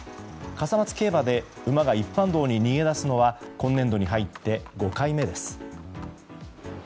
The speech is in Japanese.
笠松競馬で馬が一般道に逃げ出すのは今年度に入って５回目です。